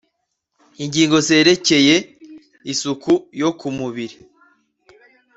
ingingo zerekeye: -isuku yo ku mubiri